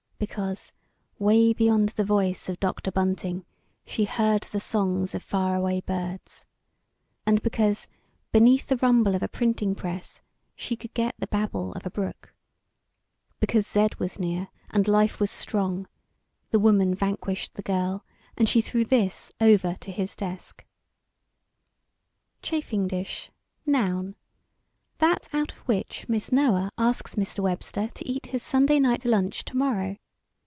Because, way beyond the voice of Dr. Bunting she heard the songs of far away birds, and because beneath the rumble of a printing press she could get the babble of a brook, because Z was near and life was strong, the woman vanquished the girl, and she threw this over to his desk: "CHAFING DISH, n. That out of which Miss Noah asks Mr. Webster to eat his Sunday night lunch tomorrow.